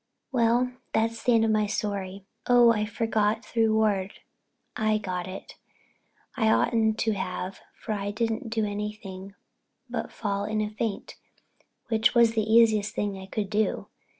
Well—that's the end of my story. Oh, I forgot the reward—I got it. I oughtn't to have for I didn't do anything but fall in a faint, which was the easiest thing I could do.